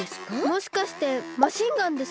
もしかしてマシンガンですか？